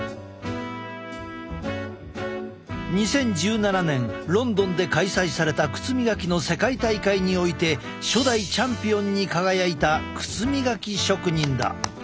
２０１７年ロンドンで開催された靴磨きの世界大会において初代チャンピオンに輝いた靴磨き職人だ。